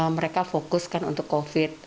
mereka fokuskan untuk covid